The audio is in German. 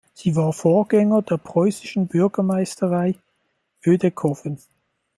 Sie war Vorgänger der preußischen Bürgermeisterei Oedekoven.